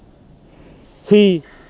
khi phát hiện